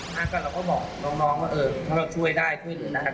เมื่อก่อนเราก็บอกน้องว่าถ้าเราช่วยได้ช่วยอื่นนะครับ